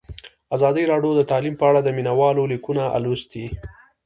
ازادي راډیو د تعلیم په اړه د مینه والو لیکونه لوستي.